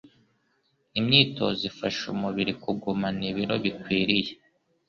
imyitozo Ifasha umubiri kugumana ibiro bikwiriye